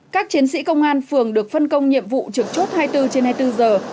các chiến sĩ công an phường được phân công nhiệm vụ trực chốt hai mươi bốn trên hai mươi bốn giờ